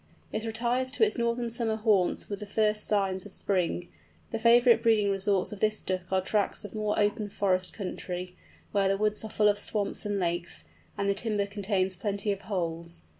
It retires to its northern summer haunts with the first signs of spring. The favourite breeding resorts of this Duck are tracts of more open forest country, where the woods are full of swamps and lakes, and the timber contains plenty of holes.